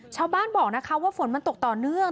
ชาวบ้านบอกนะคะว่าฝนมันตกต่อเนื่อง